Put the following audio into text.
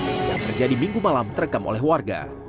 yang terjadi minggu malam terekam oleh warga